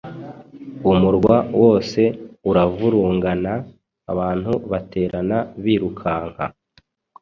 umurwa wose uravurungana, abantu baterana birukanka